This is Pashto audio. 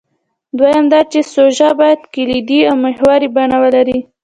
دویم دا چې سوژه باید کلیدي او محوري بڼه ولري.